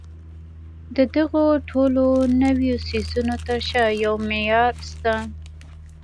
د دغو ټولو نويو څيزونو تر شا يو معيار شته.